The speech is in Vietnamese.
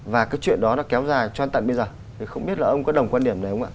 và cái chuyện đó nó kéo dài cho đến tận bây giờ thì không biết là ông có đồng quan điểm đấy không ạ